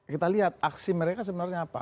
kita lihat aksi mereka sebenarnya apa